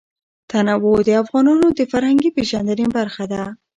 تنوع د افغانانو د فرهنګي پیژندنې برخه ده.